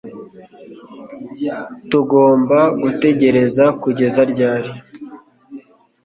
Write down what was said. tugomba gutegereza kugeza ryari